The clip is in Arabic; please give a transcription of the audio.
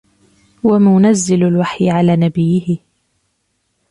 ومنزل الوحي على نبيه